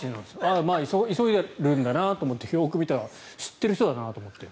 ああ、急いでいるんだなと思ったらよく見たら知っている人だなと思って。